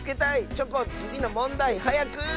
チョコンつぎのもんだいはやく！